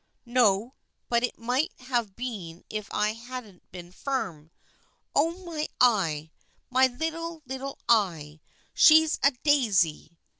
No, but it might have been if I hadn't been firm. Oh, my eye ! my little, little eye ! She's a daisy